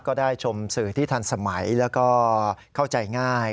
ก็ได้ชมสื่อที่ทันสมัยแล้วก็เข้าใจง่าย